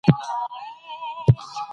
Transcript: هغه به له اوږدې مودې زده کړه کړې وي.